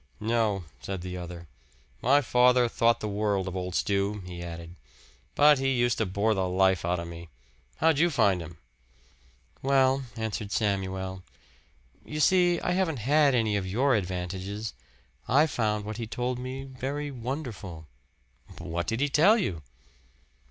"No," said the other. "My father thought the world of Old Stew," he added; "but he used to bore the life out of me. How'd you find him?" "Well," answered Samuel, "you see, I haven't had any of your advantages. I found what he told me very wonderful." "What did he tell you?"